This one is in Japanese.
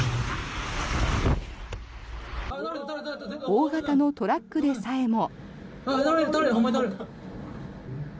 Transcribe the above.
大型のトラックでさえも。